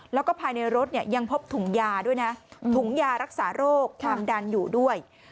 แล้วก็ภายในรถยังพบถุงยารักษาโรคความดันอยู่ด้วย